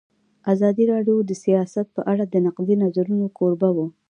ازادي راډیو د سیاست په اړه د نقدي نظرونو کوربه وه.